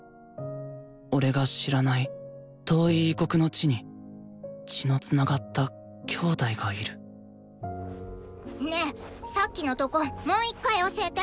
俺が知らない遠い異国の地に血のつながったきょうだいがいるねえさっきのとこもう一回教えて！